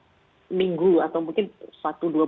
jadi kalau kita melihat beberapa minggu atau mungkin satu dua bulan